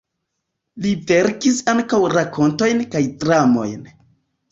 Li verkis ankaŭ rakontojn kaj dramojn.